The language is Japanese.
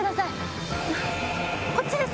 こっちです。